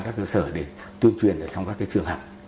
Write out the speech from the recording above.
các cơ sở để tuyên truyền trong các trường học